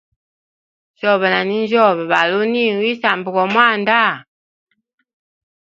Shobe na ninjyobe bali uni wisamba go mwanda.